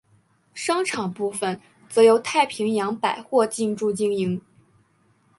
商场部份则由太平洋百货进驻经营。